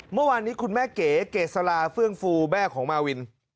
เมื่อวานนี้คุณแม่เก๋เกษลาเฟื่องฟูแม่ของมาวิน